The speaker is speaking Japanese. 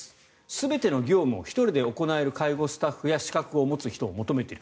全ての業務を１人で行える介護スタッフや資格を持つ人を求めている。